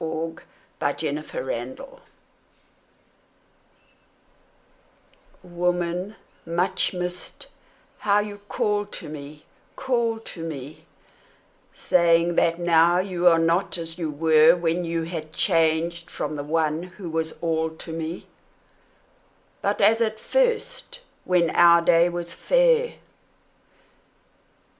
Thomas Hardy The Voice WOMAN much missed, how you call to me, call to me, Saying that now you are not as you were When you had changed from the one who was all to me, But as at first, when our day was fair.